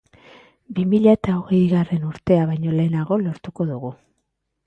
Bi mila eta hogeigarren urtea baino lehenago lortuko dugu.